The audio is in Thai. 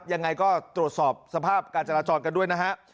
ยังไงก็ตรวจสอบสภาพการจราจรกันด้วยนะฮะ